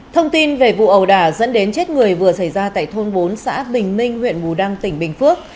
thông tin về vụ ẩu đả dẫn đến chết người vừa xảy ra tại thôn bốn xã bình minh huyện bù đăng tỉnh bình phước